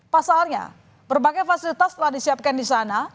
pasalnya berbagai fasilitas telah disiapkan di sana